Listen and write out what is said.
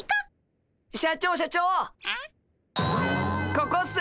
ここっす。